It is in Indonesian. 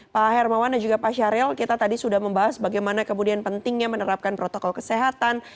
pak hermawan dan juga pak syahril kita tadi sudah membahas bagaimana kemudian pentingnya menerapkan protokol kesehatan